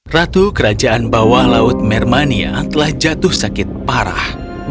ratu kerajaan bawah laut mermania telah jatuh sakit parah